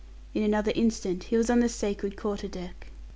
In another instant he was on the sacred quarter deck.